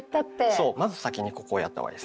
そうまず先にここをやった方がいいです。